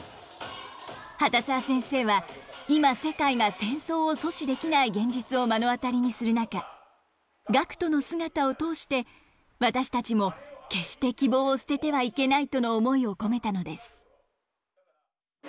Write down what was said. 畑澤先生は今世界が戦争を阻止できない現実を目の当たりにする中ガクトの姿を通して私たちも決して希望を捨ててはいけないとの思いを込めたのです。